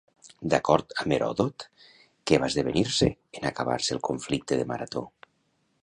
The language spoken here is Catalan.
D'acord amb Heròdot, què va esdevenir-se en acabar-se el conflicte de Marató?